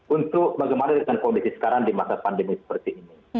untuk bagaimana dengan kondisi sekarang di masa pandemi seperti ini